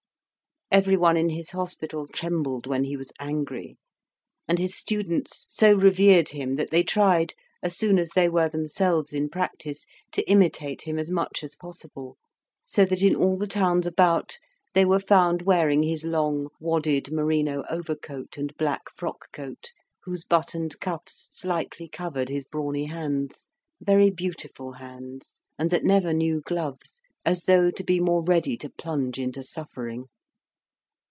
Everyone in his hospital trembled when he was angry; and his students so revered him that they tried, as soon as they were themselves in practice, to imitate him as much as possible. So that in all the towns about they were found wearing his long wadded merino overcoat and black frock coat, whose buttoned cuffs slightly covered his brawny hands very beautiful hands, and that never knew gloves, as though to be more ready to plunge into suffering.